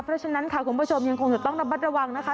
เพราะฉะนั้นค่ะคุณผู้ชมยังคงจะต้องระมัดระวังนะคะ